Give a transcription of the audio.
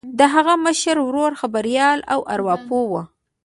د هغه مشر ورور خبریال او ارواپوه و